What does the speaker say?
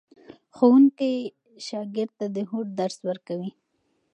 ښوونکی شاګرد ته د هوډ درس ورکوي.